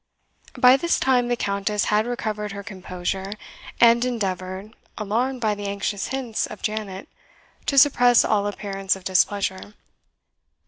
By this time the Countess had recovered her composure, and endeavoured, alarmed by the anxious hints of Janet, to suppress all appearance of displeasure.